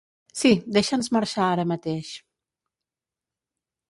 Sí, deixa'ns marxar ara mateix.